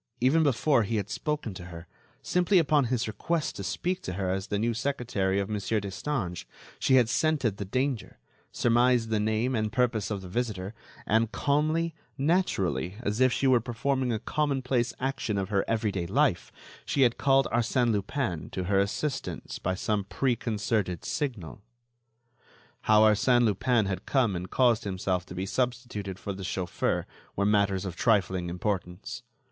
Even before he had spoken to her, simply upon his request to speak to her as the new secretary of Monsieur Destange, she had scented the danger, surmised the name and purpose of the visitor, and, calmly, naturally, as if she were performing a commonplace action of her every day life, she had called Arsène Lupin to her assistance by some preconcerted signal. How Arsène Lupin had come and caused himself to be substituted for the chauffeur were matters of trifling importance.